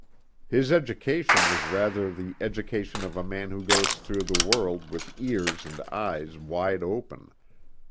His education was rather the education of a man who goes through the world with ears and eyes wide open.